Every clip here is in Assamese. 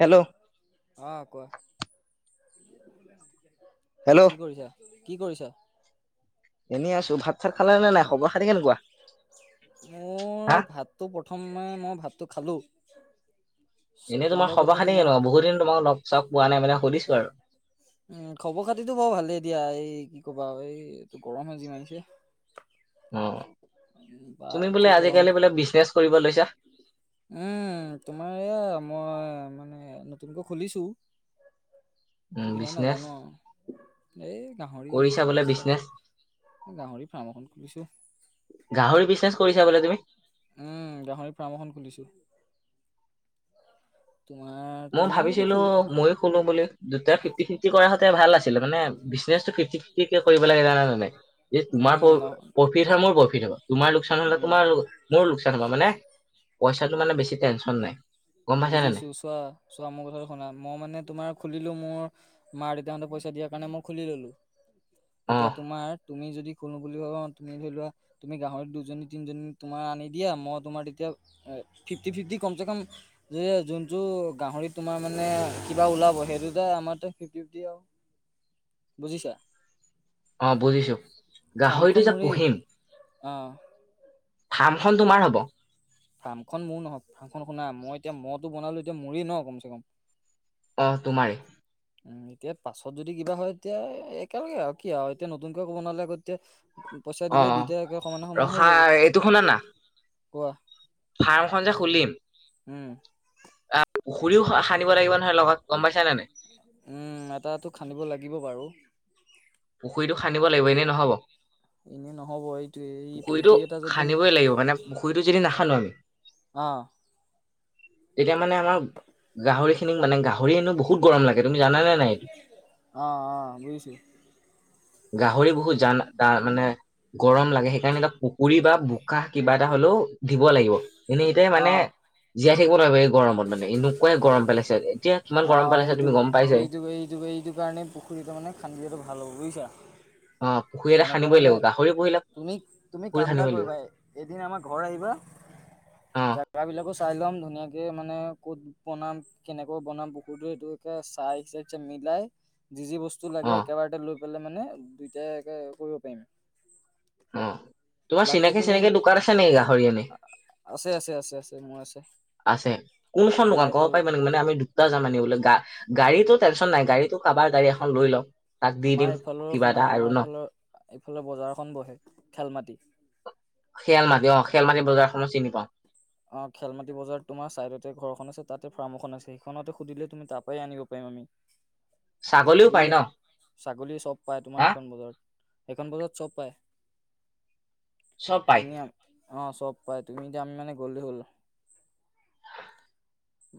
হেল্ল' অহ কোৱা হেল্ল' কি কৰিছা কি কৰিছা। এনেনি আছো ভাত চাত খালে নে নাই খবৰ খালে কেনেকুৱা। মোৰ হা? ভাতটো প্ৰথমে মই ভাতটো খালোঁ। এনেই তোমাৰ সবা খালি কনেক বহুত দিন তোমাক লগ চাক পোৱা নাই মানে সুধিছো আৰু উম খবৰ খাতিতটো বৰ ভালে দিয়া এই কি কবা এই এইটো গৰম স যি মাৰিছে। [unintelligible] অ। বা তুমি বোলে কি গৰম আজিকালি বোলে বিজনেচ কৰিব লৈছা। উম তোমাৰ এয়া মই মানে। মানে নতুনকৈ খুলিছো উম কি হয় বিজনেছ। নাজানো। এই গাহৰি কৰিছা বোলে বিজনেচ বিজনেছ গাহৰি ফাৰ্ম এখন খুলিছোঁ। গাহৰি বিজনেছ কৰিছা বোলে তুমি। উম গাহৰি ফাৰ্ম এখন খুলিছো। তোমাৰ মই তুমিও যদি ভাবিছিলো খুলি ময়ো কলো বুলি ফিফটি ফিফটি কৰা হতে ভাল আছিলে মানে বিজনে। ঠিকিকে কৰিব লাগে জানা জানে এই তোমাৰ উম ন প্ৰফিট হয় মোৰ প্ৰফিট। হব তোমাৰ লোকচান হলে উম তোম মোৰ লোকচান হ'ব মানে। পইচাটো মানে বেছি টেনচন নাই গম পাইছে নে বুজিছো নাই চোৱা চোৱা মোৰ কথা শুনা মই মানে তোমাৰ খুলিলো মোৰ মা দেউতাহঁতে পইচা দিয়াৰ কাৰণে মই খুলি ললো অ এতিয়া তোমাৰ। তুমি যদি খোলো বুলি ভাবা তুমি ধৰি লোৱা তুমি গাহৰি দুজনী তিনজনী তোমাৰ আনি দিয়া মই তোমাৰ তেতিয়া। [unintelligible] ফিফটি ফিফটি কমচে কম যে যোনটো গাহৰিত তোমাৰ মানে কিবা ওলাব সেইটো যে আমাৰ টো ফিফটি বুজিছা। অ বুজিছো গাহৰিটো যে পুহিম অঁ থাৰ্মখন তোমাৰ হব। ফাৰ্মখন মোৰ নহয় ফাৰ্মখন শুনা মই এতিয়া মটো বনালো এতিয়া মোৰিই ন কমচ কম অ তোমাৰে উম এতিয়া পাছত যদি কিবা হয় তেতিয়া একেলগে আৰু কি আৰু এতিয়া নতুনকে ক'ব নালে আ এতিয়া পইচা অ দিলে অ দুইট একে সমানে সমানে হৈ ৰখা যাব কোৱা। ফাৰ্ম খন যে খুলিম উম, আহ পুখুৰীও সানিব লাগিব নহয় লগ গমাই নাই উম এটাাতটো খান্দিব লাগিব বাৰু পুখুৰীটো খান্দিব লাগিব এনেই নহ'ব। এনেই নহ'ব এইটো এই পুখুৰীটো পুখুৰী এটা যদি সানিবই লাগিব মানে পুখুৰীটো যদি নাখানো আমি অঁ তেতিয়া মানে আমাৰ গাহৰি খিনিক মানে গাহৰিনো বহুত গৰম লাগে জানানে নাই এইটো অ অ বুজিছো গাহৰি বহুত জান মানে গৰম লাগে সেইকাৰণে এটা পুকুৰী বা বোকা কিবা এটা হলেও। দিব লাগিব এনেতে মানে অ'। জীয়াই থাকিব নোৱাৰিব এই গৰমত মানে এনেকুৱাই গৰম পেলাইছে এতিয়া কিমান অ গৰম পেলাইছে এইটো তুমি গম পাইছাই এইটো এইটো এইটো কাৰণে পুখুৰীত মানে খান্দি হেল্লো শুনিছা? অ পুখুৰী এটা তেনেকুৱা খানিবই মানে লাগিব গাহৰি পুহিলে তুমি তুমি পুখুৰী কাম এটা খানিবই লাগিব কৰিবা এদিন আমাৰ ঘৰ আহিবা। অ জাগা বিলাকো চাই ল'ম ধুনীয়াকে মানে ক'ত বনাম কেনেকৈ বনাম পুখুৰীটো এইটো [unintelligible] বিলাই। যি যি বস্তু লাগে অ একেবাৰতে লৈ পেলাই মানে, দুইটাই [unintelligible] কৰিব পাৰিম। অ', তোমাৰ বাকী চিনাকি তুমি চিনাকি দোকান আছে নেকি গাহৰি আনি। আছে আছে আছে আছে মোৰ আছে আছে কোন মখন আমাৰ দোকান ক'ব এইফালৰ পাৰিবা নেকি মানে আমি দুটা যাম আনিবলে গা গাড়ীটো টেনশন নাই গাড়ীটো কাবাৰ গাড়ী এখন লৈ লওঁ। আমাৰ ইফালৰ শুনা আমাৰ ইফালৰ, এইফালৰ বজাৰ এখন বহে খেলমাটি। খিয়াল মাটি অ', খিয়াল মাটি বজাৰখনক চিনি পাও। অ', খেল মাটি বজাৰ তোমাৰ চাইডতে ঘৰখন আছে তাতে ফাৰ্ম এখন আছে সেইখনতে সুধিলে তুমি তাৰ পৰাই আনিব পাৰিম। ছাগলীও পায় ন বুজিলা, ছাগলীৰ চব পাই হা তোমাৰ সেইখন বজাৰত। এইখন বজাৰত চব পায়। চব পায় তুমি, অ', চব পাই তুমি যাম মানে গলে হ'ল।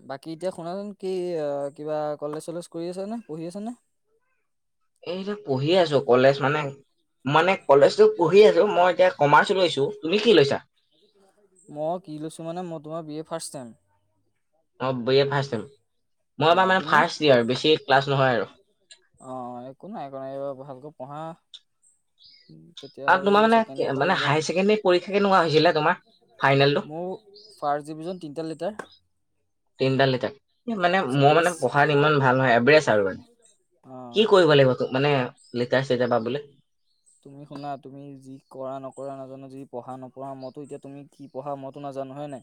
বাকী এতিয়া শুনাচোন কি কিবা কলেজ চলেজ কৰি আছে নে, পঢ়ি আছা নে? [inaudible] এইটো পঢ়িয়ে আছো কলেজ মানে মানে কলেজত পঢ়ি আছো মই এতিয়া কমাৰ্চ লৈছো, তুমি কি লৈছা? মই কি লৈছো মানে মই তোমাৰ বি এ ফাৰ্ষ্ট চেম। অ', বি এ ফাষ্ট চেম। মই অ এইবাৰ মানে তুমি ফাষ্টয়িয়াৰ বেছি ক্লাছ নহয় আৰু। অ একো নাই একো নাই এইবাৰ ভালকৈ পঢ়া উম, তেতিয়া আৰু তোমাৰ মানে, ছেকেণ্ড ইয়েৰত ভাল মানে ৰিজাল্ট হায়াৰ ছেকেণ্ডৰী পৰীক্ষা কেনেকুৱা হৈছিলে তোমাৰ? ফাইনেলটো মোৰ ফাৰ্ষ্ট ডিভিজন তিনটাত লেটাৰ। তিনটাত লেটাৰ। মানে মই ছেভেনটিছ মানে পঢ়াত ইমান ভাল নহয় এভাৰেজ আৰু, অ কি কৰিব লাগিব তোক? মানে লেটাৰ চেটাৰ পাবলে। তুমি শুনা তুমি যি কৰা নকৰা ন জানো যি পঢ়া নপঢ়া মইতো এতিয়া তুমি কি পঢ়া মইতো নাজানো হয়নে?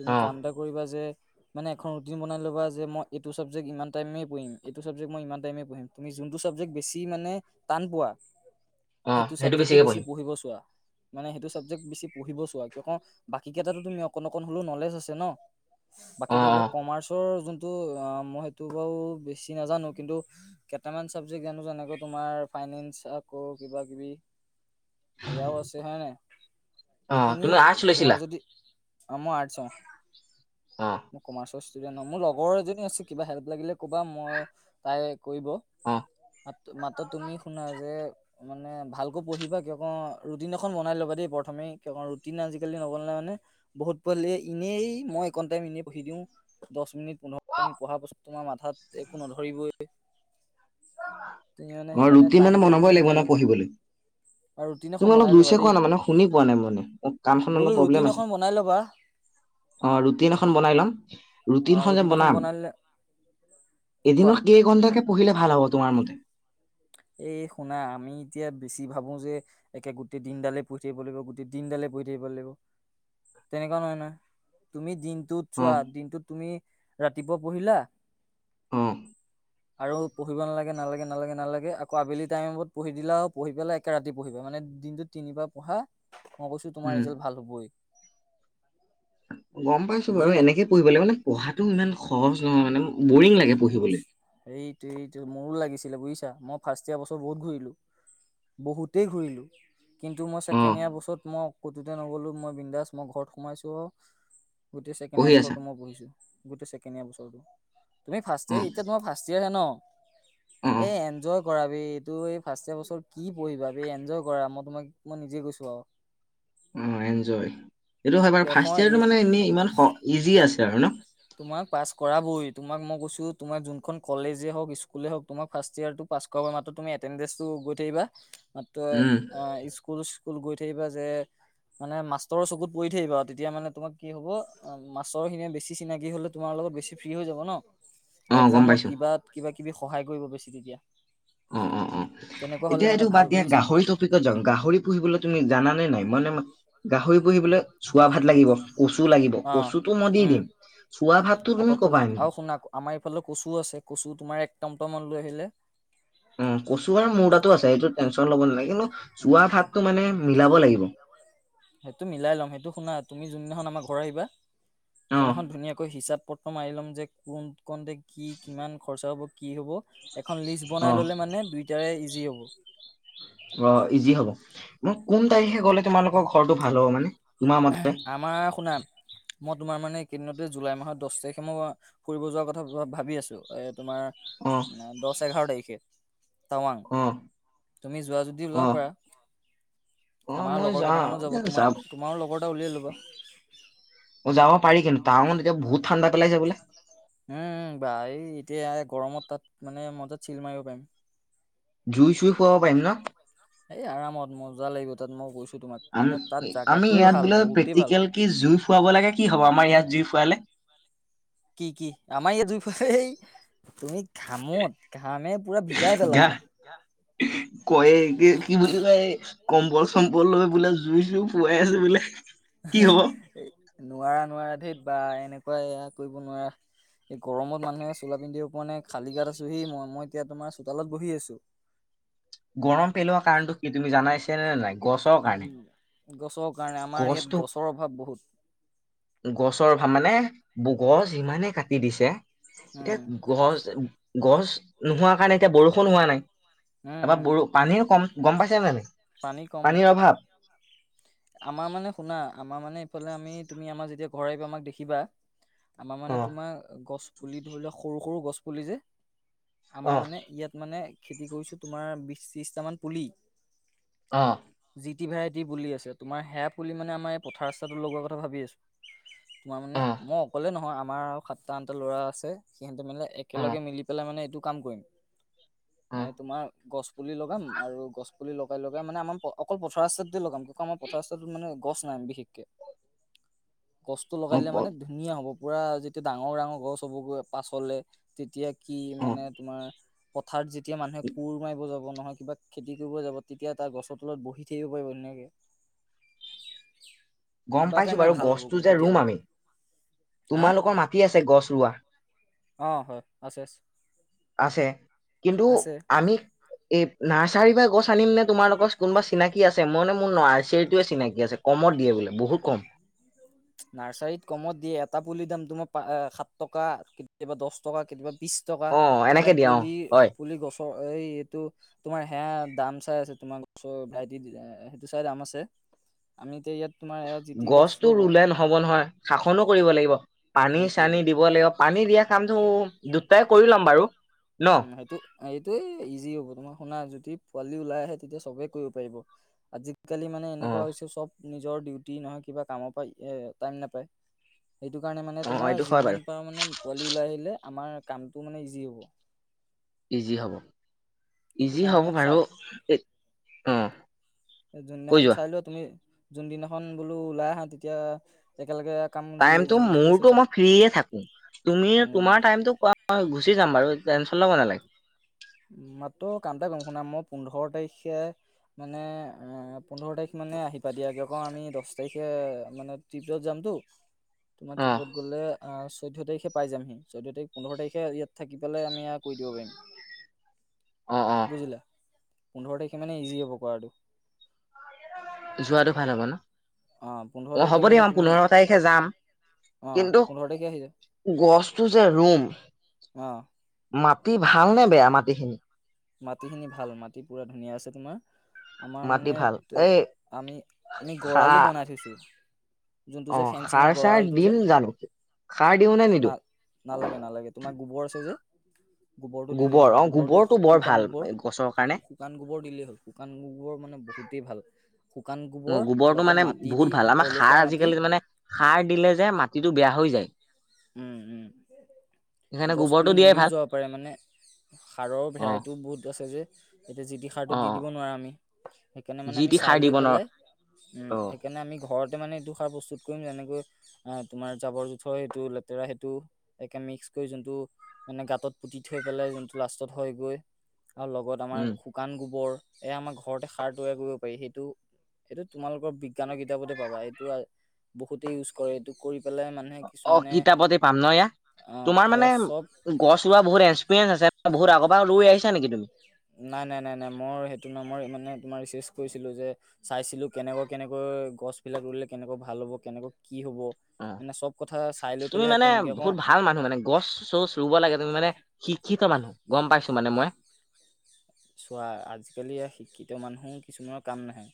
তুমি অ কাম এটা কৰিবা যে মানে এখন ৰুটিন বনাই ল'বা যে মই এইটো ছাবজেক্ট ইমান টাইমে পঢ়িম, এইটো ছাবজেক্ট মই ইমান টাইমে পঢ়িম, তুমি যোনটো ছাবজেক্ট বেছি মানে, টান পোৱা অ সেইটো ছাবজেক্টে বেছিকে বেছি পঢ়িম পঢ়িব চোৱা, মানে সেইটো ছাবজেক্টে বেছি পঢ়িব চো [unintelligible] বাকী কেইটাতো তুমি অকন অকন হলেও নলেজ আছে ন? বাকী অ ধৰি অ লওক কমাৰ্চৰ, যোন টো মই সেইটো বাৰু বেছি নাজানো কিন্তু কেইটামান ছাবজেক্ট জানো যেনেকে তোমাৰ ফাইনেন্স আকৌ কিবা কিবি, এয়াও আছে হয়নে? অ এইখিনি তুমি আৰ্টছ তোমাৰ লৈছিলা যদি, মই আৰ্টৰ, অ মই কমাৰ্চ। ষ্টুডেণ্ট ন, মোৰ লগৰ এজনী আছে কিবা হেল্প লাগিলে কবা মই, তাই কৰিব অ ম মাত্ৰ তুমি শুনা যে মানে ভালকো পঢ়িবা কিয় কও ৰুটিন এখন বনাই ল'বা দেই প্ৰথমে কিয় কও ৰুটিন আজিকালি নবনালে [unintelligible] বহুত পোৱালি এনেই মই একন টাইম এনেই পঢ়ি দিওঁ দশ মিনিট পোন্ধৰ মিনিট পঢ়াৰ পাছত তোমাৰ মাথাত একো নধৰিবই। তুমি মানে অ সেইকাৰণে ৰুটিন টাইম টেবুল [unintelligible] লাগিব ন পঢ়িবলে। এখন তুমি অলপ বনাই ল'বা জোৰছে দেই কোৱা না‌ মানে শুনি পোৱা নাই মই মানে, মোৰ কাণখন বোলো অলপ প্ৰব্লেম ৰুটিন আছে। এখন বনাই ল'বা অ', ৰুটিন এখন বনাই লম। অ ৰুটিনখন যে ৰুটিন এখন বনাম, বনাই কোৱা এদিনত কেই ঘন্টাকে পঢ়িলে ভাল হ'ব? তোমাৰ মতে এই শুনা আমি এতিয়া বেছি ভাবো যে একে গোটেই দিনডালে পঢ়ি থাকিব লাগিব গোটেই দিন দিন দালে বহি থাকিব লাগিব তেনেকুৱা নহয় নহয় তুমি দিন দিনটোত অ চোৱা দিনটোত তুমি ৰাতিপুৱা পঢ়িলা অ [inaudible] আৰু পঢ়িবা নালাগে নালাগে - নালাগে আক আবেলি টাইমত পঢ়ি দিলা পঢ়ি পেলাই একে ৰাতি পঢ়িবা মানে দিনটো তিনিবাৰ পঢ়া মই কৈছো তোমাৰ উম ৰিজাল্ট ভাল হবই। গম পাইছো বাৰু বুজিলা এনেকৈ পঢ়িব লাগিব মানে পঢ়াটো ইমান সহজ নহয় মানে বৰিং লাগে সহজ পঢ়িবলে। সেইটো সেইটো মোৰো লাগিছিলে বুজিছা মই ফাৰ্ষ্ট ইয়াৰ বছৰ বহুত ঘূৰিলো - বহুতেই ঘূৰিলো। কিন্তু মই ছেকেণ্ড অ', ইয়াৰ বছৰত মই ক'তোতে নগলো মই বিন্দাস মই ঘৰত সোমাইছো আৰু গোটেই ছেকেণ্ড ইয়াৰ পঢ়ি আছা বছৰটো মই বহিছো গোটেই ছেকেণ্ডয়াৰ বছৰটো। তুমি ফাষ্ট অ', ইয়াৰ এতিয়া তোমাৰ ফাষ্ট ইয়াৰ হে ন? অ', এ অ', এনজয় কৰা বে এইটো এই ফাষ্ট ইয়াৰ বছৰ কি পঢ়িবা বে এনজয় কৰা মই তোমাক মই নিজে কৈছো আও। উম, এনজয় এইটো হয় বাৰু কিয় ফাৰ্ষ্ট কওঁ এই ইয়েৰটো মানে এনে ইমান সহ ইজি আছে আৰু ন'। তোমাক পাছ কৰাবই তোমাক মই কৈছো তোমাৰ যোনখন কলেজে হওক, স্কুলে হওক তোমাৰ ফাৰ্ষ্ট ইয়াৰটো পাচ কৰাব মাত্ৰ তুমি এটেনডেন্সটো গৈ উম, [unintelligible] কুল গৈ থাকিবা যে মানে মাষ্টৰৰ চকুত পৰি থাকিবা আৰু তেতিয়া মানে তোমাৰ কি হ'ব মাষ্টৰখিনিয়ে বেছি চিনাকি হ'লে তোমাৰলগত বেছি ফ্ৰী হৈ যাব ন' অ', গম একজামত পাইছো। কিবাত কিবা কিবি সহায় কৰিব বেছি তেতিয়া। অ', - অ', -অ তেনেকুৱা ', হলে এতিয়া মানে এইটো ভাল বাদ দিয়া বুজিছা গাহৰি টপিকত যাও গাহৰি পুহিবলৈ তুমি জানা নে নাই? মানে গাহৰি পুহিবলে চুৱা ভাত লাগিব কচু লাগিব অ কচুটো মই দি উম দিম চুৱা ভাতটো আকৌ তুমি ক কপা আনিবা? আৰু শুনা আমাৰ এইফালে কচু আছে কচু তোমাৰ একতমতমট লৈ আহিলে অ', [inaudible] কচু বাৰু মোৰতাতো আছে সেইটো টেনচন ল'ব নালাগে কিন্তু চুৱা উম ভাতটো মানে মিলাব লাগিব। সেইটো মিলাই ল'ম সেইটো শুনা তুমি যোনদিনাখন আমাৰ ঘৰ আহিবা অ', সেইদিনাখন ধুনীয়াকৈ হিচাপ পট মাৰি ল'ম যে কোন কণ্টে কি কিমান খৰচা হ'ব কি হ'ব। এখন লিষ্ট বনাই অ'। ললে মানে দুইটাৰে ইজি হ'ব। মোক কোন তাৰিখে গ'লে তোমালোকৰ ঘৰটো ভাল হ'ব মানে? তোমাৰ মতে [unintelligible] আমাৰ শুনা মই তোমাৰ মানে এইকেইদিনতে জুলাই মাহত দছ তাৰিখে মই ফুৰিব যোৱাৰ কথা ভাবি আছো এ তোমাৰ অ দছ, এঘাৰ তাৰিখে টাৱাং অ তুমি যোৱা যদি অ ওলাব পাৰা? অ আমাৰ মই লগৰ যা কেইটামানো যাব তোমাৰ তোমাৰো লগৰ এটা উলিয়াই লবা যাব পাৰি কিন্তু টাৱাং ত এতিয়া বহুত ঠাণ্ডা পেলাইছে বোলে? উম -উম বা এই এতিয়া গৰমত তাত মানে মজাত চিল মাৰিব পাৰিম। জুই চুই ফুৱাব পাৰিম ন'? এই আৰামত মজা লাগিব তাত মই গৈছো। আম -আমি ইয়াত বোলে বহুতেই ভাল। প্ৰেক্টিকেল কি জুই ফুৱাব লাগে কি হ'ব আমাৰ ইয়াত জুই ফোৱালে? কি-কি আমাৰ ইয়াত জুই ফুৱালে এই তুমি ঘামত ঘামে পুৰা ভিজাই পেলাব কয়ে কি -কি বুলি কয় এই কম্বল চম্বল লৈ বোলে জুই চুই ফোৱাই আছো বোলে। কি হ'ব [unintelligible] নোৱাৰা-নোৱাৰা ধেত বা এনেকুৱাই এয়া কৰিব নোৱাৰা। এই গৰমত মানুহে চোলা পিন্ধিব পৰা নাই খালী গাত আছো সি মই- মই এতিয়া তোমাৰ চোতালত বহি আছো। [inaudible] গৰম পেলোৱা কাৰণটো কি তুমি জানাইছা নে নাই গছৰ উম কাৰণে। গছৰ কাৰণে আমাৰ ইয়াত গছটো গছৰ অভাৱ বহুত গছৰ মানে বু [unintelligible] গছ ইমানে কাটি দিছে এতিয়া উম গছ গছ নোহোৱা কাৰণে এতিয়া বৰষুণ হোৱা নাই উম ত উম। ব পানী কম গম পাইছে নাই। পানী কম। পানীৰ অভাৱ আমাৰ মানে শুনা আমাৰ মানে এইফালে আমি তুমি আমাৰ যেতিয়া ঘৰ আহিব আমাক দেখিবা- আমাৰ অ মানে তোমাৰ গছ পুলি ধৰি লোৱা সৰু সৰু গছ পুলি যে অ আমাৰ মানে ইয়াত মানে খেতি কৰিছোঁ তোমাৰ বিশ ত্ৰিশটামান পুলি অ কিটি ভেৰাইটি বুলি আছে তোমাৰ হে বুলি মানে আমাৰ এই পথাৰ ৰাস্তাটো লগোৱাৰ কথা ভাবি আছো [unintelligible] তোমাৰ মানে অ মই অকলে নহয় আমাৰ আৰু সাতটা আঠটা ল'ৰা আছে। সহেতে মানে অ একেলগে মিলি পেলাই মানে এইটো কাম কৰিম অ মানে তোমাৰ গছ পুলি লগাম আৰু গছ পুলি লগাই লগাই মানে আমাৰ অকল পথাৰ আছে দি লগাম কি আমাৰ পথাৰত মানে গছ নাই বিশেষকে গছতটো লগাইে মানে ধুনীয়া হ'ব। পুৰা যেতিয়া ডাঙৰ ডাঙৰ গছ হ'ব গৈ পাচলে তেতিয়া কি অ' মানে তোমাৰ পথাৰত যেতিয়া মানুহে কোৰ মাৰিব যাব। নহয় কিবা খেতি কৰিব যাব তেতিয়া তাৰ গছৰ তলত বহি থাকিব পাৰিব ধুনীয়াকে গম কিবা এটাই পাইছো মানে বাৰু ভাল গছটো হ'বগৈ যে ৰুম তেতিয়ালৈকে আমি হা তোমালোকৰ মাটি আছে গছ ৰোৱা। অহ, হয় আছে-আছে। আছে কিন্তু আমি এই নাৰ্চ চাৰি বা গছ আনিম নে তোমালোকৰ কোনোবা চিনাক আ মইে মোৰ আ আৰ চিনাকি আছে কমত দিয়ে বহুত। কম। [unintelligible] নাৰ্চাৰীত কমত দিয়ে এটা পুলিৰ দাম তোমাৰ সাত টকা কেতিয়াবা দহ টকা কেতিয়াবা। ত্ৰিছ টকা অ মানে এনেকে দিয়া অ পুলি হয় পুলি গছৰ- এই এইটো তোমাৰ সেয়া দাম চাই আছে তোমাৰ গছৰ ভেৰাইটি সেইটো চাই দাম আছে। আমি এতিয়া ইয়াত তোমাৰ এ জিতি গছ্ল হ'ব নহয় শাসনো কৰিব লাগিব পানী সেইটোৱে চানী দিব লাগিব পানী দিয়াক। কামটো দুটাই কৰি লম বাৰু ন উম সেইটো এইটোয়ে ইজি হব তোমাৰ শুনা যদি যদি পোৱালি ওলাই আহে তেতিয়া সবে কৰিব পাৰিব আজিকালি মানে অ এনেকুৱা হৈছে চব। নিজৰ ডিউটি নহয় কিবা কামৰ পৰা টাইম নাপায়। সেইটো কাৰণে মানে অ তোমাৰ এইটো হয় বাৰু যিমান পাৰ মানে পোৱালি ওলাই আহিলে আমাৰ কামটো মানে ইজি হ'ব। ইজি হ'ব সেইটো ইজি হ'ব কাৰণে বাৰু চাই অ যোনদিনাখন কৈ যোৱা। চাই লোৱা তুমি যোনদিনাখন বোলো ওলাই আহা তেতিয়া একেলগে কাম যি টাইমত যি যি আছে মোৰতো চব মই ফ্ৰয়ে থাকো তুমি উম। তোমাৰ টাইমতো কোৱা মই গুচি যাম বাৰু টেনশ্যন লব নালাগে। কামত গম শুনাম মই পোন্ধৰ তাৰিখে। মানে অ পোন্ধৰ তাৰিখ মানে আহি পা দিয়ে অক আমি দহ তাৰিখে মানে ত যাম। তোমাৰ অ টিপত গলে চৈধ্য তাৰিখে পাই যামহি চৈধ্য তাৰিখ পোন্ধৰ তাৰিখে ইয়াত থাকি পেল আমিয়া কৰি দিব পাৰিম। অ অ। বুজিলা পোন্ধৰ তাৰিখে মানে ইজি হ'ব কৰাটো। যোৱাতটো ভাল হ'ব ন অ পোন্ধৰ অ তাৰিখে হ'ব দিয় মানে ম তুমি পোন্ধৰ তাৰিখে যাম। অ কিন্তু পোন্ধৰ তাৰিখে আহি যাম গছটো যে ৰুম মাপ অ মাটি ভাল নে বেয়া মাটিখিনি মাটিখিনি ভাল মাটি পুৰা ধুনীয়া আছে তোমাৰ। আমাৰ মাটি ভাল মানে এই আমি আমি গঁৰালো বনাই থৈছো যোনটো যে অঁ ফেঞ্চিঙৰ খাৰ চাৰ গঁৰালটো যে দম জানোকি না নালাগে নালাগে তোমাৰ গোবৰ যে গোবৰটো দিলেই গোবৰ হ'ল অ গোবৰটো বৰ শুকান ভাল গোবৰ গছৰ কাৰণে শুকান গোবৰ দিলেই হ'ল শুকান গোবৰ মানে বহুতেই ভাল। শুকান গোবৰ গোবৰটো লগত মানে মাটি দি বহুত ভাল আমাৰ পলসুৱা সাৰ মাটি আজিকালি মানে সাৰ দিলে যে মাটিটো বেয়া হৈ যায়। উম উম সেইকাৰণে গছ গোবৰটো পুলি দিয়াই মৰিওঁ ভাল যাব পাৰে মানে। সাৰৰ অ ভেৰাইটিও বহুত আছে যে এতিয়া জি টি সাৰটো অ অ দি দিব নোৱাৰা আমি। সেইকাৰণে মানে যি আমি টি সাৰ চাই লৈ দিব নোৱাৰ পেলাই উম অ সেইকাৰণে আমি ঘৰতে মানে এই দুখাৰ বস্তু। কৰিম যেনেকৈ অঁ তোমাৰ জাবৰ জোথৰ সেইটো। লাতেৰা সেইটো একে মিক্স কৰি যোনটো মানে গাঁতত পুতি থৈ পেলাই যোনটো লাষ্টত হয়গৈ। আৰু লগত আমাৰ উম শুকান গোবৰ এয়া আমাৰ ঘৰতে সাৰ তৈয়াৰ কৰিব পাৰি সেইটো। এইটো তোমালোকৰ বিজ্ঞানৰ কিতাপতে পাবা এইটো বহুতেই ইউজ কৰে এইটো কৰি পেলাই মানুহে অ কিছুমানে পাম ন ইয়া অ তোমাৰ মানে এয়া চব গছ ৰোৱা বহুত এক্সপিৰিয়েঞ্চ আছে বহুত আগৰ পৰা লৈ আহিছেটিমন। নেকি তুমি। নাই নাই নাই নাই মোৰ সেইটো ন ম মানে তোমাৰ চি। কৰিছিলো যে চাইছিলো কেনেকা কেনেকৈ গছ বিলাক ৰুলে কেনেকুৱা ভাল হ'ব কেনেকৱা। অ মানে চব ক। তুমি মানে বহুত ভাল মানুহ মানে গছ চছ ৰুব লাগে তুমি মানে শিক্ষিত মানুহ। গম পাইছো মানে মই। চোৱা আজিকালি শিক্ষিত মানুহো কিছুমানৰ কাম নাহে।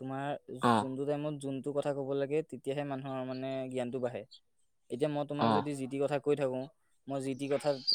তোমাৰ অ যোনটো টাইমত যোনটো কথা কব লাগে তেতিয়াহে মানুহৰ মানে জ্ঞানটো বাঢ়ে। এতিয়া মই তোমাক অ যদি যি টি কথা কৈ থাকো মই যি টি কথাত।